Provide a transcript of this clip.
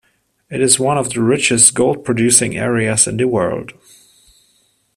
It is one of the richest gold-producing areas in the world.